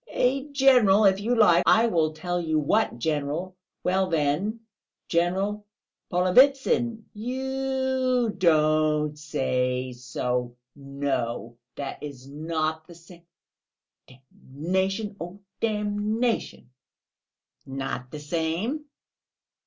"A general. If you like I will tell you what general: well, then ... General Polovitsyn." "You don't say so! No, that is not the same! (Oh, damnation, damnation!)." "Not the same?"